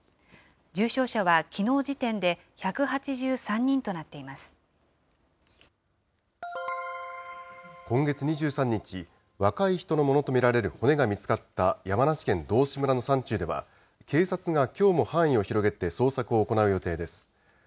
重症者はきのう時点で１８３人と今月２３日、若い人のものと見られる骨が見つかった山梨県道志村の山中では、警察がきょうも範囲を広げて捜索を行う予定です。